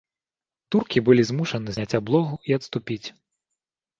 Туркі былі змушаны зняць аблогу і адступіць.